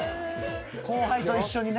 後輩と一緒にね。